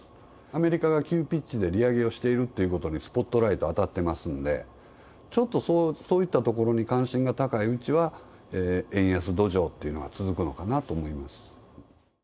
アメリカが急ピッチで利上げをしているっていうことにスポットライト当たってますんで、ちょっとそういったところに関心が高いうちは、円安土壌というのは続くのかなと思います。